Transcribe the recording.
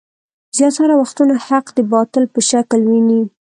زياتره وختونه حق د باطل په شکل کې ويني.